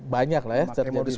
banyak lah ya